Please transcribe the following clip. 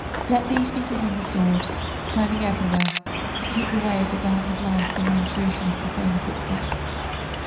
Let these be to him the sword, turning everywhere to keep the way of the Garden of Life from the intrusion of profaner footsteps."